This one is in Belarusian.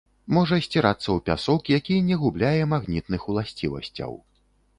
Можа сцірацца ў пясок, які не губляе магнітных уласцівасцяў.